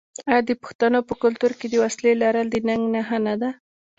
آیا د پښتنو په کلتور کې د وسلې لرل د ننګ نښه نه ده؟